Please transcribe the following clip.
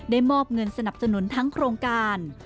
มอบเงินสนับสนุนทั้งโครงการ